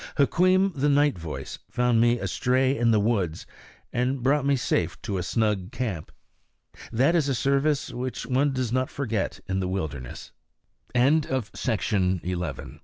Hukweem the Night Voice found me astray in the woods, and brought me safe to a snug camp. That is a service which one does not forget in the wilderness. GLOSSARY OF INDIAN NAMES.